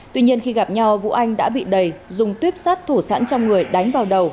tuy nhiên khi gặp nhau vũ anh đã bị đầy dùng tuyếp sát thủ sẵn trong người đánh vào đầu